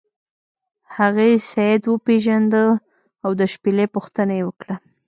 هغې سید وپیژنده او د شپیلۍ پوښتنه یې وکړه.